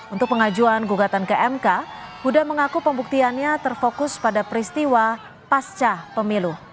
untuk pengajuan gugatan ke mk huda mengaku pembuktiannya terfokus pada peristiwa pasca pemilu